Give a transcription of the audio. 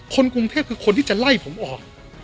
คนกรุงเทพคือคนที่จะไล่ผมออก